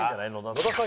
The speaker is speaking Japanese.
野田さん